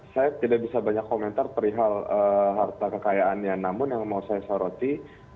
saya tidak bisa banyak komentar perihal harta kekayaannya namun yang mau saya soroti